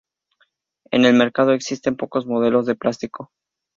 En el mercado existen pocos modelos de plástico.